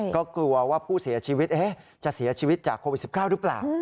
ก็กลัวว่าผู้เสียชีวิตจะเสียชีวิตจากโควิด๑๙หรือเปล่า